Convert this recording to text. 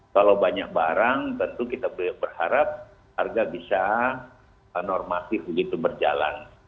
kalau banyak barang tentu kita berharap harga bisa normatif begitu berjalan